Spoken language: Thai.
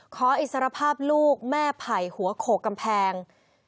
อิสรภาพลูกแม่ไผ่หัวโขกกำแพง